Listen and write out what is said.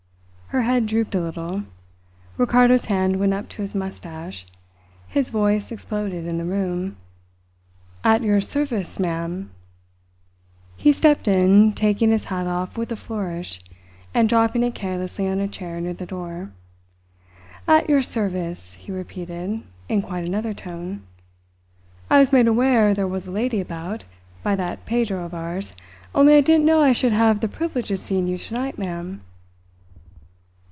Her head drooped a little. Ricardo's hand went up to his moustache. His voice exploded in the room. "At your service, ma'am!" He stepped in, taking his hat off with a flourish, and dropping it carelessly on a chair near the door. "At your service," he repeated, in quite another tone. "I was made aware there was a lady about, by that Pedro of ours; only I didn't know I should have the privilege of seeing you tonight, ma'am."